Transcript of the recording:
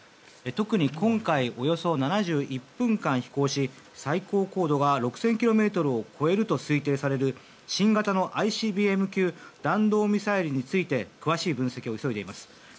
特に今回およそ７１分間飛行し最高高度が６０００ｋｍを超えると推定される新型のＩＣＢＭ級弾道ミサイルについて詳しい分析を急いでいます。